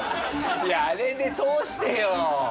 いやあれで通してよ！